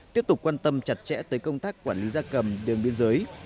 tiếp tục quan tâm chặt chẽ tới công tác quản lý gia cầm đường biên giới